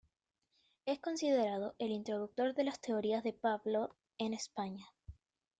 Es considerado el introductor de las teorías de Pávlov en España.